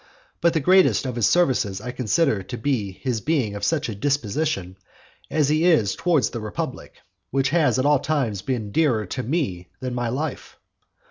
But the greatest of his services I consider to be his being of such a disposition as he is towards the republic, which has at all times been dearer to me than my life.